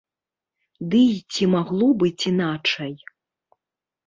Ды і ці магло быць іначай.